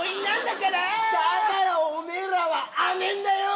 だからおめぇらは甘ぇんだよ！